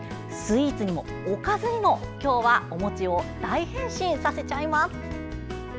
スイーツにもおかずにも今日はお餅を大変身させちゃいます。